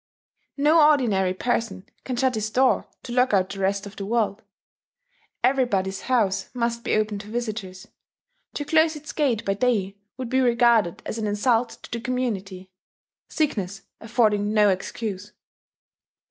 No ordinary person can shut his door to lock out the rest of the world. Everybody's house must be open to visitors: to close its gates by day would be regarded as an insult to the community, sickness affording no excuse.